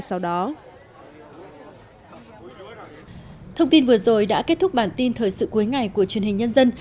thông tin vừa rồi đã kết thúc bản tin thời sự cuối ngày của truyền hình nhân dân